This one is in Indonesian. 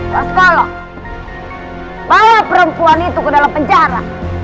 raskala bawa perempuan itu ke dalam penjara